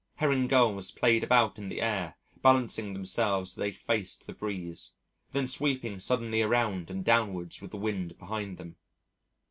Herring gulls played about in the air balancing themselves as they faced the breeze, then sweeping suddenly around and downwards with the wind behind them.